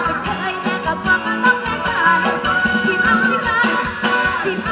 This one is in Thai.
อารักชะตาทำอะไรไปดีขับ